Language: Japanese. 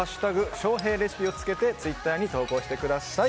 「＃翔平レシピ」を付けてツイッターに投稿してください。